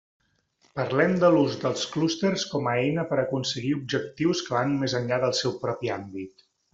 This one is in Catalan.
Parlem de l'ús dels clústers com a eina per a aconseguir objectius que van més enllà del seu propi àmbit.